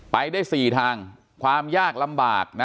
ไปได้๔ทางความยากลำบาก